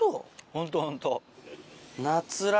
ホントホント。